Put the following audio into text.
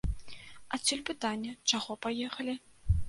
Адсюль пытанне, чаго паехалі?